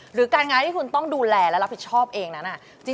หรือการงานที่คุณต้องดูแลและรับผิดชอบเองนั้น